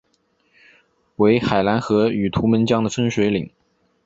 为海兰河与图们江的分水岭。